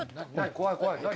怖い怖い。